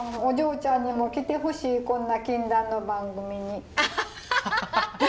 お嬢ちゃんにも来てほしいこんな禁断の番組に。